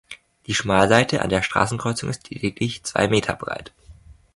Die Schmalseite an der Straßenkreuzung ist lediglich zwei Meter breit.